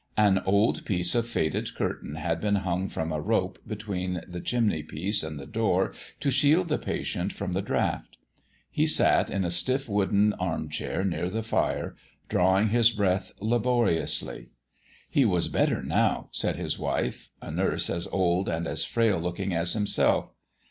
An old piece of faded curtain had been hung from a rope between the chimney piece and the door to shield the patient from the draught. He sat in a stiff wooden arm chair near the fire, drawing his breath laboriously. "He was better now," said his wife, a nurse as old and as frail looking as himself.